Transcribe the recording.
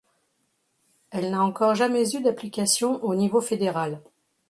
Elle n'a encore jamais eu d'application au niveau fédéral.